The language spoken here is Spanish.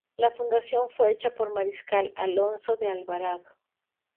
La fundación fue hecha por Mariscal Alonso de Alvarado.